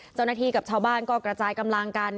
เจ้าหน้าที่กับชาวบ้านก็กระจายกำลังกัน